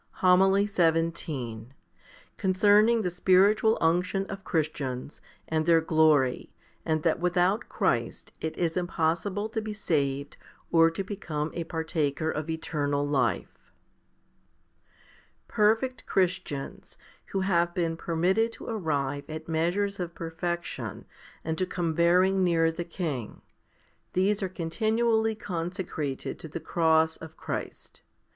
HOMILY XVII Concerning the spiritual unction of Christians, and their glory, and that without Christ it is impossible to be saved or to become a partaker of eternal life. i. PERFECT Christians, who have been permitted to arrive at measures of perfection and to come very near the King, these are continually consecrated to the cross of Christ.